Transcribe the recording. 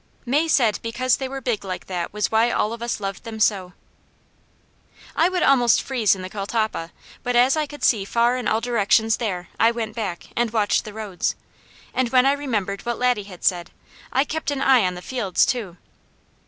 May said because they were big like that was why all of us loved them so. I would almost freeze in the catalpa, but as I could see far in all directions there, I went back, and watched the roads, and when I remembered what Laddie had said, I kept an eye on the fields too.